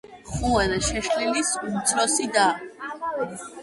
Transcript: ხუანა შეშლილის უმცროსი და.